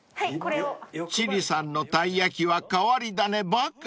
［千里さんのたい焼きは変わり種ばかり］